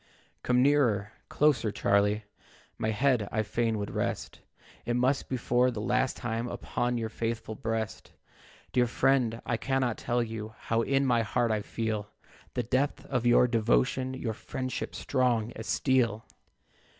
"Come nearer, closer, Charlie, My head I fain would rest, It must be for the last time, Upon your faithful breast. Dear friend, I cannot tell you How in my heart I feel The depth of your devotion, Your friendship strong as steel.